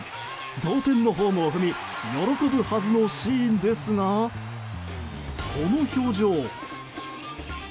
同点のホームを踏み喜ぶはずのシーンですがこの表情。